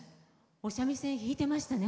お三味線弾いてましたね